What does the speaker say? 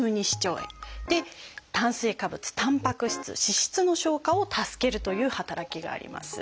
炭水化物たんぱく質脂質の消化を助けるという働きがあります。